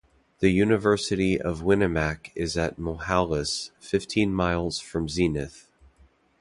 The University of Winnemac is at Mohalis, fifteen miles from Zenith.